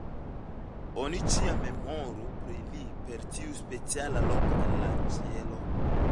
Oni ĉiam memoru pri li per tiu speciala loko en la ĉielo.